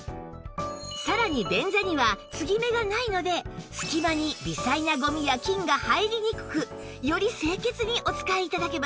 さらに便座には継ぎ目がないので隙間に微細なゴミや菌が入りにくくより清潔にお使い頂けます